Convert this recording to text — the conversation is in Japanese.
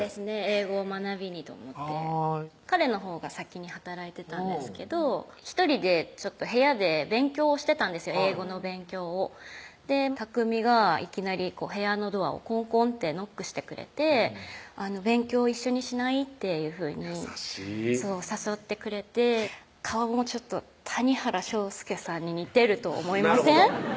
英語を学びにと思って彼のほうが先に働いてたんですけど１人で部屋で勉強をしてたんです英語の勉強を巧がいきなり部屋のドアをコンコンってノックしてくれて「勉強一緒にしない？」っていうふうに優しいそう誘ってくれて顔もちょっと谷原章介さんに似てると思いません？